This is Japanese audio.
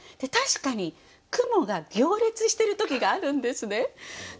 確かに雲が行列してる時があるんですね。